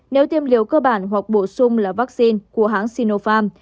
nếu tiêm liều cơ bản hoặc bổ sung là vaccine của hãng sinopharm